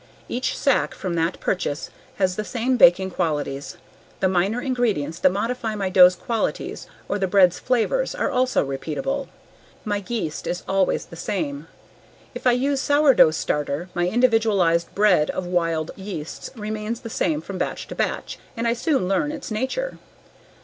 Each sack from that purchase has the same baking qualities. The minor ingredients that modify my dough's qualities or the bread's flavors are also repeatable. My yeast is always the same; if I use sourdough starter, my individualized blend of wild yeasts remains the same from batch to batch and I soon learn its nature.